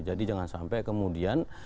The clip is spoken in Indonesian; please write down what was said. jadi jangan sampai kemudian